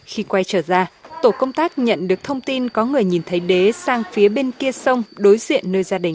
khi quay trở ra tổ công tác nhận được thông tin có người nhìn thấy đế sang phía bên kia sông đối diện nơi gia đình